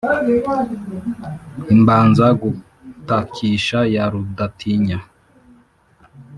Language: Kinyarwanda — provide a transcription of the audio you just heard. imbanza gutakisha ya rudatinya.